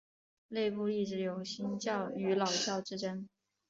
内部一直有新教与老教之争。